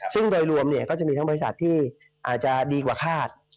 ซึ่งโดยรวมก็จะมีทั้งบริษัทที่อาจจะดีกว่าคาด